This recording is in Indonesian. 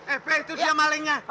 eh be itu dia malingnya